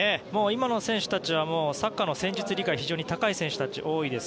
今の選手たちはサッカーの戦術理解が非常に高い選手が多いです。